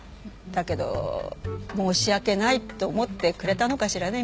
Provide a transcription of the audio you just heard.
だけど申し訳ないって思ってくれたのかしらね